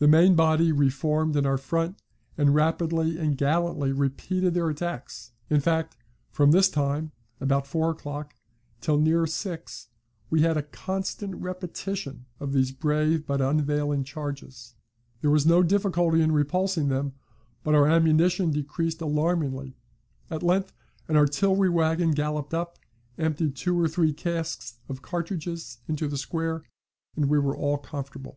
The main body re formed in our front, and rapidly and gallantly repeated their attacks, In fact, from this time (about four o'clock) till near six, we had a constant repetition of these brave but unavailing charges. There was no difficulty in repulsing them, but our ammunition decreased alarmingly. At length an artillery wagon galloped up, emptied two or three casks of cartridges into the square, and we were all comfortable.